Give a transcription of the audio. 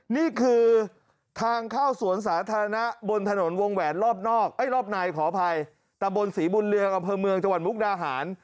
นี่คือทางเข้าสวนสาธารณะบนถนนวงแหวนรอบนอกรอบในขออภัยตะบนศรีบุญเรืองอำเภอเมืองจังหวัดมุกดาหาร